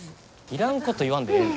いらんこと言わんでええねん。